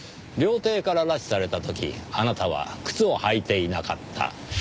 料亭から拉致された時あなたは靴を履いていなかった。